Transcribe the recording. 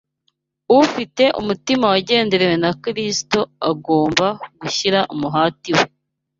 ufite umutima wagenderewe na Kristo agomba gushyira umuhati we